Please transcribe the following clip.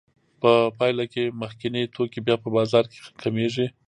په پایله کې مخکیني توکي بیا په بازار کې کمېږي